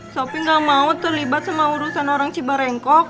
sopi gak mau terlibat sama urusan orang cibarengkok